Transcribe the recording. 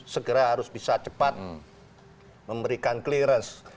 segera harus bisa cepat memberikan clearance